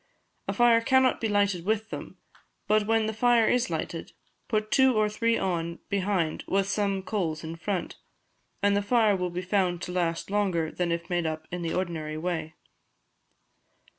A fire cannot be lighted with them, but when the fire is lighted, put two or three on behind with some coals in front, and the fire will be found to last longer than if made up in the ordinary way.